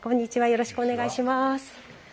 よろしくお願いします。